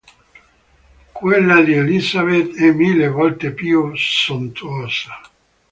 Quella di Elizabeth è mille volte più sontuosa.